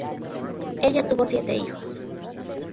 Ella tuvo siete hijos.